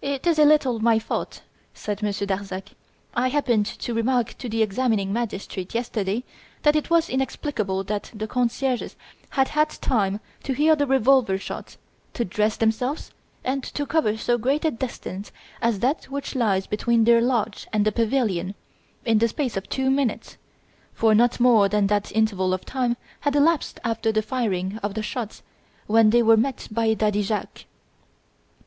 "It is a little my fault," said Monsieur Darzac. "I happened to remark to the examining magistrate yesterday that it was inexplicable that the concierges had had time to hear the revolver shots, to dress themselves, and to cover so great a distance as that which lies between their lodge and the pavilion, in the space of two minutes; for not more than that interval of time had elapsed after the firing of the shots when they were met by Daddy Jacques."